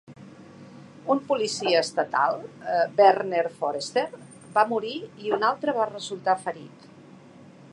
Un policia estatal, Werner Foerster, va morir i un altre va resultar ferit.